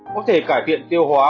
có thể cải thiện tiêu hóa